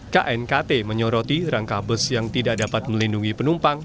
knkt menyoroti rangka bus yang tidak dapat melindungi penumpang